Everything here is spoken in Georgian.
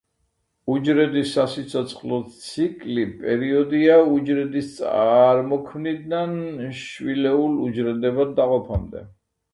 უჯრედის სასიცოცხლო ციკლი პერიოდია უჯრედის წარმოქმნიდან, შვილეულ უჯრედებად დაყოფამდე.